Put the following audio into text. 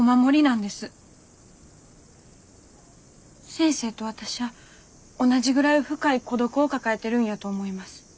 先生と私は同じぐらい深い孤独を抱えてるんやと思います。